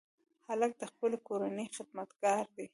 هلک د خپلې کورنۍ خدمتګار دی.